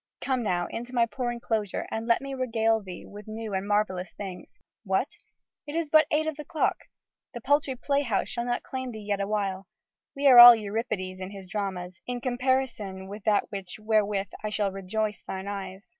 Come, now, into my poor enclosure and let me regale thee with new and marvellous things.... What! it is but eight o' the clock! The paltry playhouse shall not claim thee yet awhile. What are all Euripides his dramas, in comparison with that wherewith I shall rejoice thine eyes?"